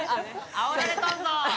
あおられとんぞ！